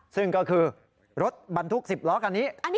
ซึ่งก็คือรถบรรทุก๑๐ล้อคันนี้